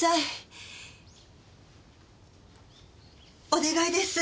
お願いです。